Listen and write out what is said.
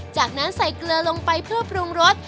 จากนั้นใส่เกลือลงไปเพื่อปรุงรส